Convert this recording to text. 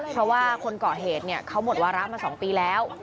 เพราะว่าคนก่อเหตุเขาหมดวาระมา๒ปีแล้ว